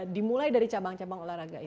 dimulai dari cabang cabang olahraga